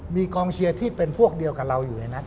มีกองเชียร์ที่เป็นพวกเดียวกับเราอยู่ในนั้น